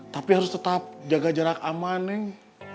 tapi harus tetap jaga jarak aman neng